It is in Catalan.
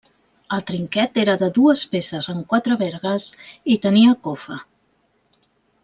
El trinquet era de dues peces amb quatre vergues i tenia cofa.